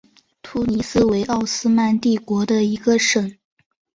突尼斯原为奥斯曼帝国的一个省。